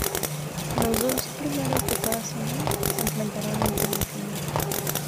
Los dos primeros de cada zona, se enfrentarán en semifinales.